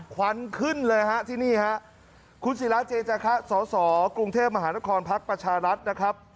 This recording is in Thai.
ควันขึ้นเลยฮะที่นี่ฮะคุณศิราเจจาคะสสกรุงเทพมหานครพักประชารัฐนะครับ